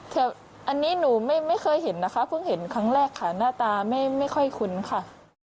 แต่อันนี้หนูไม่เคยเห็นนะคะเพิ่งเห็นครั้งแรกค่ะหน้าตาไม่ค่อยคุ้นค่ะ